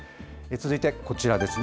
続いてこちらですね。